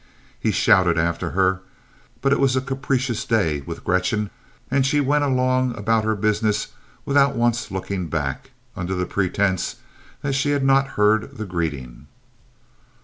He shouted after her, but it was a capricious day with Gretchen, and she went along about her business without once looking back, under the pretense that she had not heard the greeting.